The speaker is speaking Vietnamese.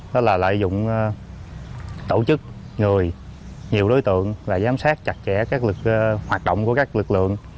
đó là lợi dụng tổ chức người nhiều đối tượng và giám sát chặt chẽ các lực hoạt động của các lực lượng